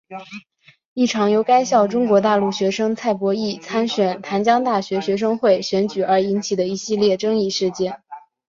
一场由该校中国大陆学生蔡博艺参选淡江大学学生会选举而引起的一系列争议事件。